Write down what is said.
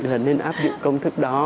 là nên áp dụng công thức đó